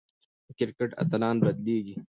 د کرکټ اتلان بدلېږي.